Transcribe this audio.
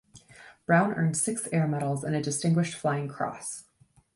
Brown earned six Air Medals and a Distinguished Flying Cross.